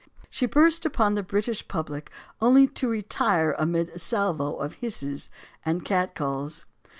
Then she burst upon the British public only to retire amid a salvo of hisses and catcalls.